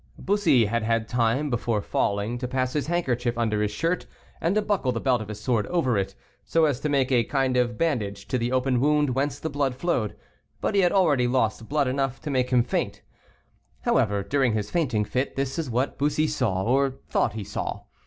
Bussy had had time, before falling, to pass his handkerchief under his shirt, and to buckle the belt of his sword over it, so as to make a kind of bandage to the open wound whence the blood flowed, but he had already lost blood enough to make him faint. However, during his fainting fit, this is what Bussy saw, or thought he saw.